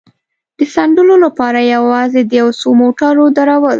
د ځنډولو لپاره یوازې د یو څو موټرو درول.